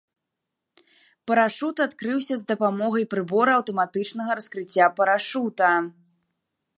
Парашут адкрыўся з дапамогай прыбора аўтаматычнага раскрыцця парашута.